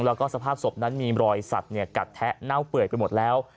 แล้วก็สภาพศพนั้นมีรอยสัตว์กัดแทะเน่าเปื่อยไปหมดแล้ว